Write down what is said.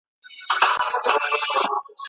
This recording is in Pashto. ستا ذهن به په مطالعې سره ارام سي.